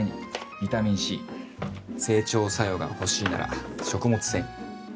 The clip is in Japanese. ビタミン Ｃ 整腸作用がほしいなら食物繊維